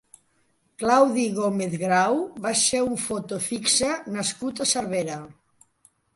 Claudi Gómez Grau va ser un foto fixa nascut a Cervera.